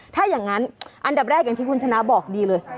ถ้าอย่างนั้นอันดับแรกอย่างที่คุณชนะบอกดีเลย